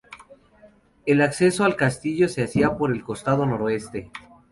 El acceso al castillo se hacía por el costado Noroeste.